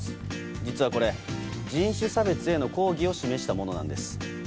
実はこれ、人種差別への抗議を示したものなんです。